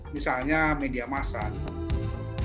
misalnya media masyarakat